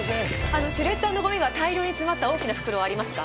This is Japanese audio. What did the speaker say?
シュレッダーのごみが大量に詰まった大きな袋ありますか？